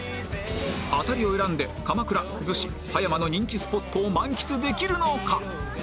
アタリを選んで鎌倉子葉山の人気スポットを満喫できるのか？